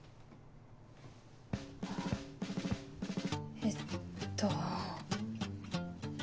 えっと。